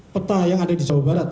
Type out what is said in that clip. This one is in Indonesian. peta yang ada di jawa barat